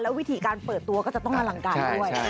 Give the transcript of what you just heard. วิธีการเปิดตัวก็จะต้องอลังการด้วย